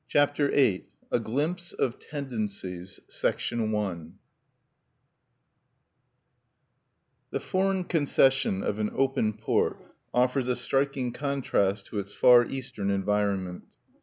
_" (1) "Thou?" VIII A GLIMPSE OP TENDENCIES I The foreign concession of an open port offers a striking contrast to its far Eastern environment.